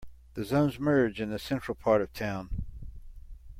The zones merge in the central part of town.